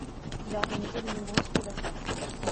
Il a organisé de nombreux colloques.